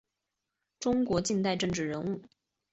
中国近代政治人物。